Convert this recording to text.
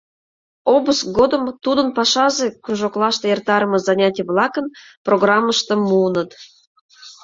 Обыск годым тудын пашазе кружоклаште эртарыме занятий-влакын программыштым муыныт.